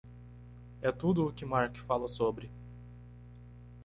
É tudo o que Mark fala sobre.